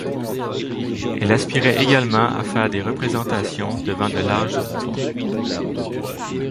Elle aspirait également à faire des représentations devant de larges auditoires.